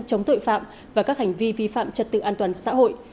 chống tội phạm và các hành vi vi phạm trật tự an toàn xã hội